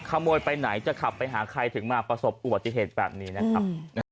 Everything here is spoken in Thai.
ขโมยไปไหนจะขับไปหาใครถึงมาประสบอุบัติเหตุแบบนี้นะครับ